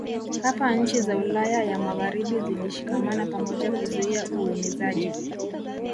Hapa nchi za Ulaya ya Magharibi zilishikamana pamoja kuzuia uenezaji